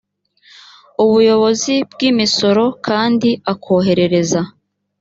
ubuyobozi bw’imisoro kandi akoherereza